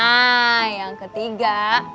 nah yang ketiga